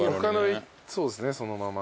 そうですねそのまま。